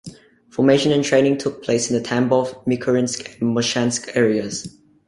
Formation and training took place in the Tambov, Michurinsk and Morshansk areas.